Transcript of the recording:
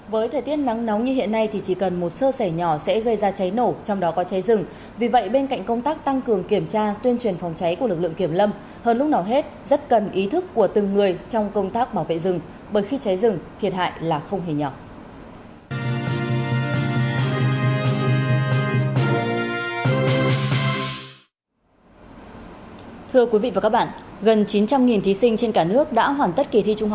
với thời tiết nắng nóng như hiện nay thì chỉ cần một sơ sẻ nhỏ sẽ gây ra cháy nổ trong đó có cháy rừng vì vậy bên cạnh công tác tăng cường kiểm tra tuyên truyền phòng cháy của lực lượng kiểm lâm hơn lúc nào hết rất cần ý thức của từng người trong công tác bảo vệ rừng